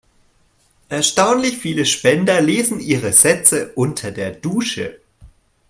Erstaunlich viele Spender lesen ihre Sätze unter der Dusche.